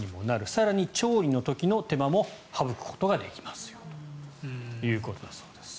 更に調理の時の手間も省くことができますよということだそうです。